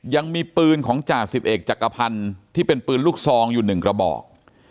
ยังมีปืนของจ่าสิบเอกจักรพันธ์ที่เป็นปืนลูกซองอยู่๑กระบอก